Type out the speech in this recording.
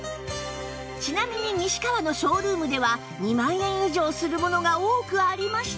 ちなみに西川のショールームでは２万円以上するものが多くありましたが